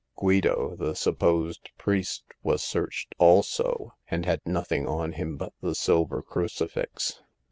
Guido, the supposed priest, was searched also, and had nothing on him but the silver crucifix.